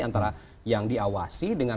antara yang diawasi dengan